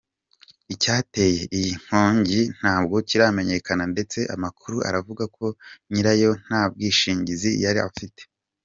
Icyateye iyi nkongi ntabwo kiramenyekana ndetse amakuru aravuga ko nyirayo nta bwishingizi yari afite.